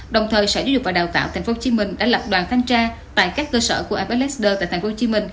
đồng thời sở dư dục và đào tạo tp hcm đã lập đoàn thanh tra tại các cơ sở của apple exeter tại tp hcm